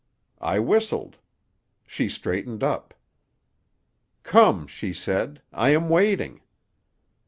I whistled. She straightened up. "'Come,' she said. 'I am waiting.